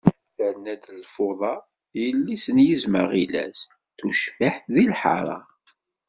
Terna-d lfuḍa, yelli-s n yizem aɣilas, tucbiḥt deg lḥara.